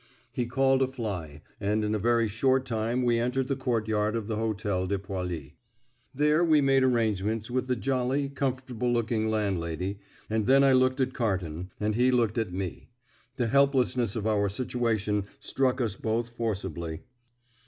He called a fly, and in a very short time we entered the courtyard of the Hotel de Poilly. There we made arrangements with the jolly, comfortable looking landlady, and then I looked at Carton, and he looked at me. The helplessness of our situation struck us both forcibly.